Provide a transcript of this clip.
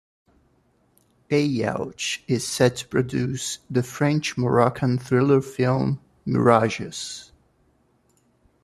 Ayouch is set to produce the French-Moroccan thriller film Mirages.